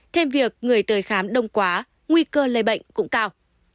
thêm việc người tới khám đông quá nguy cơ lây bệnh cũng cao